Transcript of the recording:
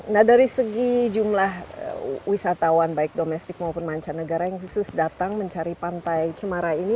nah dari segi jumlah wisatawan baik domestik maupun mancanegara yang khusus datang mencari pantai cemara ini